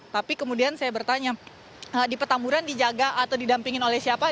tapi kemudian saya bertanya di petamburan dijaga atau didampingin oleh siapa